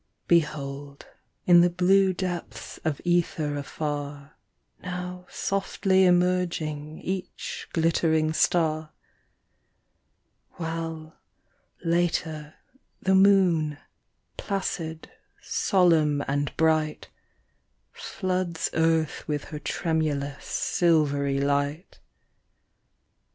Behold, in the blue depths of ether afar, Now softly emerging each glittering star; While, later, the moon, placid, solemn and bright, Floods earth with her tremulous, silvery light.